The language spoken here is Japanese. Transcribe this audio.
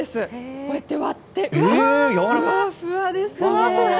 こうやって割って、ふわふわですね。